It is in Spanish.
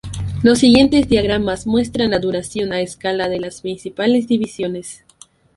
Los siguientes diagramas muestran la duración a escala de las principales divisiones.